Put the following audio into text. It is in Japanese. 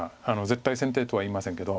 絶対先手とは言いませんけど。